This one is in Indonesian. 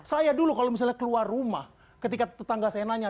saya dulu kalau misalnya keluar rumah ketika tetangga saya nanya